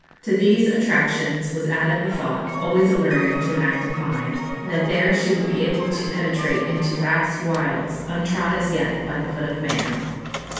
To these attractions was added the thought, always alluring to an active mind, that there she would be able to penetrate into vast wilds, untrod as yet by the foot of man.